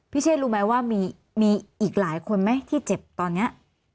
เชษรู้ไหมว่ามีอีกหลายคนไหมที่เจ็บตอนนี้